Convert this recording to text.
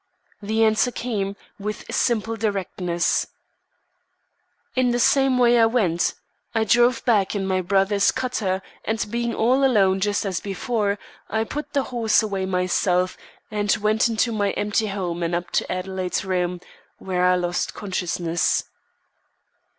The answer came, with simple directness: "In the same way I went. I drove back in my brother's cutter and being all alone just as before, I put the horse away myself, and went into my empty home and up to Adelaide's room, where I lost consciousness."